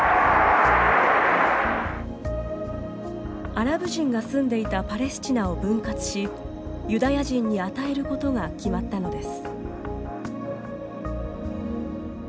アラブ人が住んでいたパレスチナを分割しユダヤ人に与えることが決まったのです。